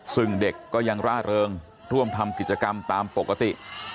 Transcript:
ซึ่งเด็กก็ยังร่าเริงร่วมทำกิจกรรมตามปกติ